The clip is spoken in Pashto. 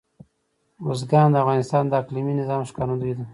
بزګان د افغانستان د اقلیمي نظام ښکارندوی ده.